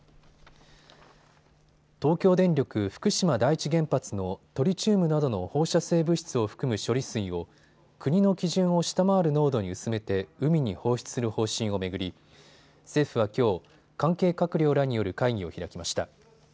東京電力福島第一原発のトリチウムなどの放射性物質を含む処理水を国の基準を下回る濃度に薄めて海に放出する方針を巡り政府はきょう、関係閣僚らによる会議を開きました。